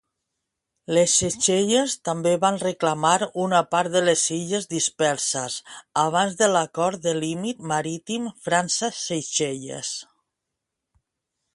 Les Seychelles també van reclamar una part de les Illes disperses abans de l'Acord de Límit Marítim França-Seychelles.